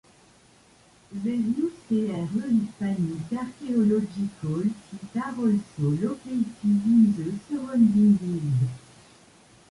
Various pre-Hispanic archaeological sites are also located in the surrounding hills.